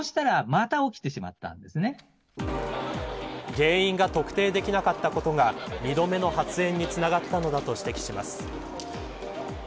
原因が特定できなかったことが２度目の発煙につながったのだと指摘します。